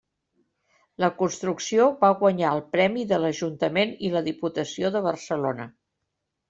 La construcció va guanyar el premi de l'Ajuntament i la Diputació de Barcelona.